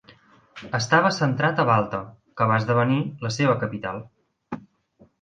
Estava centrat a Balta, que va esdevenir la seva capital.